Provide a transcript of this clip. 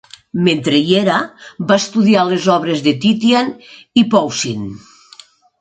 Mentre hi era, va estudiar les obres de Titian i Poussin.